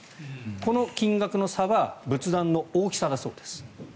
この金額の差は仏壇の大きさだそうです。